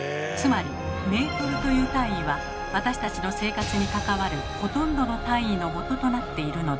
つまり「ｍ」という単位は私たちの生活に関わるほとんどの単位のもととなっているのです。